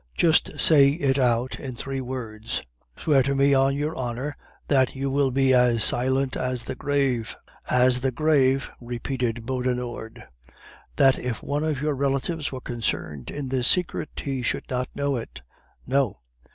"'Just say it out in three words!' "'Swear to me on your honor that you will be as silent as the grave ' "'As the grave,' repeated Beaudenord. "'That if one of your relatives were concerned in this secret, he should not know it.' "'No.